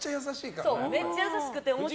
めっちゃ優しくて面白い。